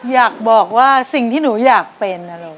อยากบอกว่าสิ่งที่หนูอยากเป็นนะลูก